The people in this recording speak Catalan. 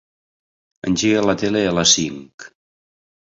Engega la tele a les cinc.